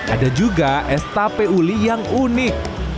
ada juga es tape uli yang unik